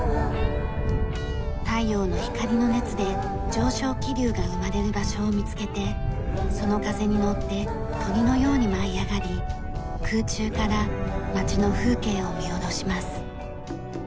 太陽の光の熱で上昇気流が生まれる場所を見つけてその風にのって鳥のように舞い上がり空中から街の風景を見下ろします。